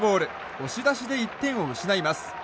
押し出しで１点を失います。